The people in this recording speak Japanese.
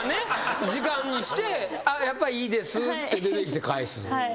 時間にして「あっやっぱいいです」って出てきて返す。